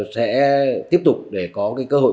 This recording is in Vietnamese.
sẽ tiếp tục để có cơ hội